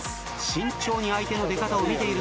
慎重に相手の出方を見ているのか？